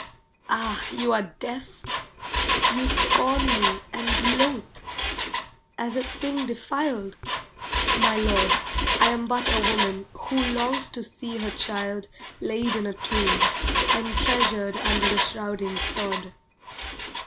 Ah, you are deaf? you scorn me And loathe, as a thing defiled? My lord, I am but a woman Who longs to see her child Laid in a tomb, entreasured Under the shrouding sod.